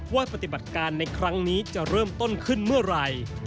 ปฏิบัติการในครั้งนี้จะเริ่มต้นขึ้นเมื่อไหร่